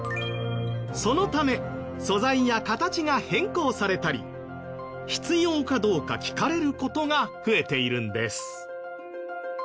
そのため素材や形が変更されたり必要かどうか聞かれる事が増えているんです。